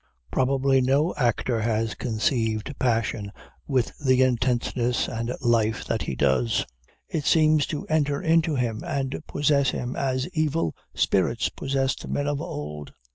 Probably no actor has conceived passion with the intenseness and life that he does. It seems to enter into him and possess him, as evil spirits possessed men of old.